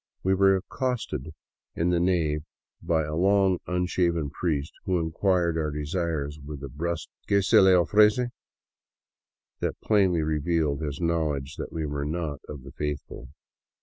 We were accosted in the nave by a long unshaven priest who inquired our desires with a brusk " Que se le ofrece? " that plainly revealed his knowledge that we were not of the " faithful."